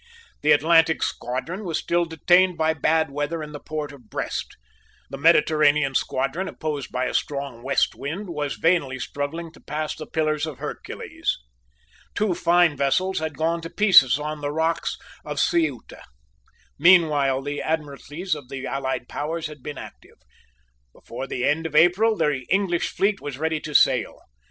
The Atlantic squadron was still detained by bad weather in the port of Brest. The Mediterranean squadron, opposed by a strong west wind, was vainly struggling to pass the pillars of Hercules. Two fine vessels had gone to pieces on the rocks of Ceuta. Meanwhile the admiralties of the allied powers had been active. Before the end of April the English fleet was ready to sail.